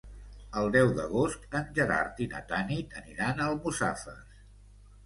El deu d'agost en Gerard i na Tanit aniran a Almussafes.